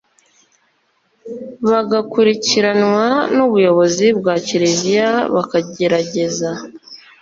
bagakurikiranwa n ubuyobozi bwa Kiriziya bakagerageza